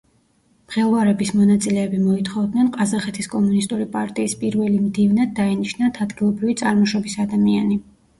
მღელვარების მონაწილეები მოითხოვდნენ ყაზახეთის კომუნისტური პარტიის პირველი მდივნად დაენიშნათ ადგილობრივი წარმოშობის ადამიანი.